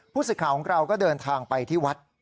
สิทธิ์ของเราก็เดินทางไปที่วัด